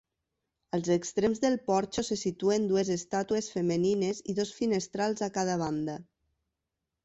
Als extrems del porxo se situen dues estàtues femenines i dos finestrals a cada banda.